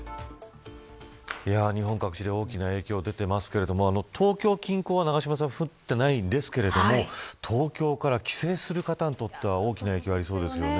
日本各地で大きな影響、出てますけれども東京近郊は降ってないんですけれども東京から帰省する方にとっては大きな影響がありそうですよね。